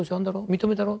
認めたろ。